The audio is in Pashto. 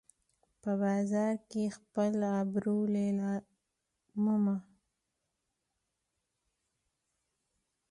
په بازار کې خپل ابرو لیلامومه